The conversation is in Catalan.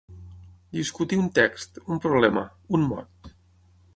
Discutir un text, un problema, un mot.